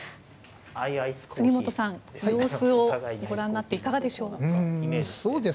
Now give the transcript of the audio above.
杉本さん、様子をご覧になっていかがでしょうか？